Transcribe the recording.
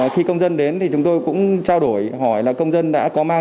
khi công dân đến thì chúng tôi cũng trao đổi hỏi là công dân đã có mang